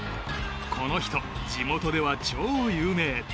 この人、地元では超有名！